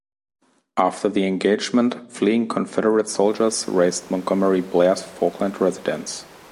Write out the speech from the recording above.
After the engagement, fleeing Confederate soldiers razed Montgomery Blair's Falkland residence.